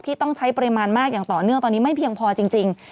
ต้องใช้ปริมาณมากอย่างต่อเนื่องตอนนี้ไม่เพียงพอจริง